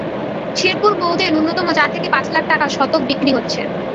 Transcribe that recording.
শেরপুর মৌজায় ন্যূনতম চার থেকে পাঁচ লাখ টাকা শতক বিক্রি হচ্ছে।